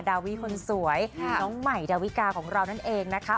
ดาวิคนสวยน้องใหม่ดาวิกาของเรานั่นเองนะคะ